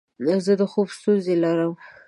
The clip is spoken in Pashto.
زه د خوب ستونزه لرم.